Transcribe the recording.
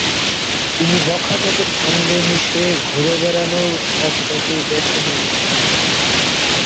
তিনি বখাটেদের সঙ্গে মিশে ঘুরে বেড়ানোর পথটাকেই বেছে নিয়েছিলেন।